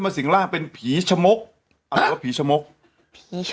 มาสิงล่าเป็นผีชมกหรือว่าผีชมกผีช